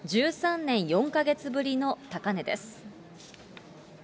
１３年４か月ぶりの高値です。